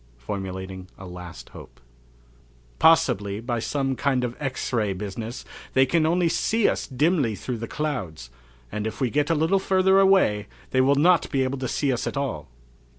Formulating a "Last Hope." "Possibly, by some kind of X ray business, they can only see us dimly through the clouds, and if we get a little further away they will not be able to see us at all."